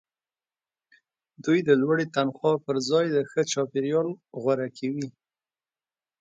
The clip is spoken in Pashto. دوی د لوړې تنخوا پرځای د ښه چاپیریال غوره کوي